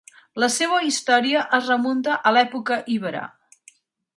La seua història es remunta a l'època ibera.